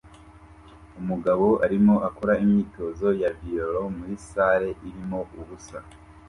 Umugabo arimo akora imyitozo ya violon muri salle irimo ubusa